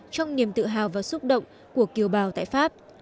trong niềm tự hào và xúc động của kiều bào tại pháp